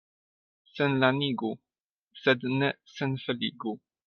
Senlanigu, sed ne senfeligu.